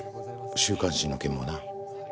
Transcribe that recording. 週刊誌の件もな。